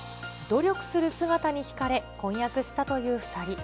努力する姿に引かれ、婚約したという２人。